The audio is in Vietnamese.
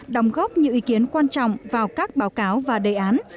đóng góp những ý kiến quan trọng vào các báo cáo và đề án